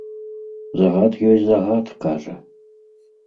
Загад ёсць загад, кажа.